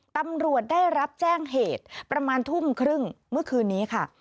ตำรวจได้รับแจ้งเหตุประมาณทุ่มครึ่งเมื่อคืนนี้ค่ะ